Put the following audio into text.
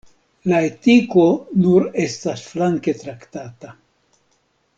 La etiko nur estas flanke traktata.